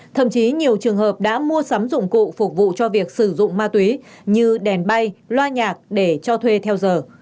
thậm chí nhiều trường hợp đã mua sắm dụng cụ phục vụ cho việc sử dụng ma túy như đèn bay loa nhạc để cho thuê theo giờ